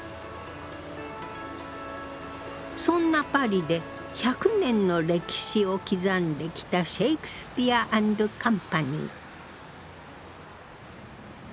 そんなパリで１００年の歴史を刻んできたシェイクスピア・アンド・カンパニー。